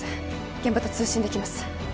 現場と通信できます